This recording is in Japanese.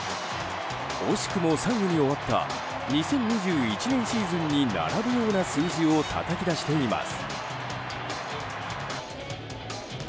惜しくも３位に終わった２０２１年シーズンに並ぶような数字をたたき出しています。